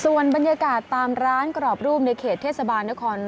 ส่วนบรรยากาศตามร้านกรอบรูปในเขตเทศบาลนคร